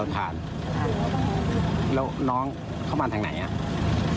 จะเลี้ยวเท่าทางนี้ครับ